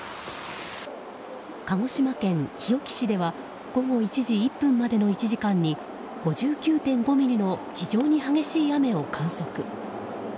鹿児島県日置市では午後１時１分までの１時間に５９．５ミリの非常に激しい雨を観測。